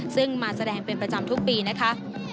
ซึ่งมาแสดงเป็นประจำทุกปีนะคะ